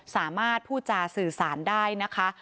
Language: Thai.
สามารถพูดจาสื่อสารได้นะคะ